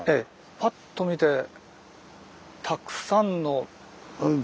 パッと見てたくさんの。